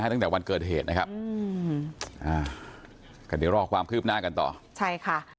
คือคือลึกหน่อยความกระตันดูเขามีสูง